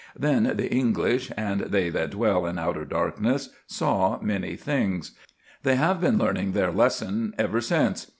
Then the English and they that dwell in outer darkness saw many things. They have been learning their lesson ever since.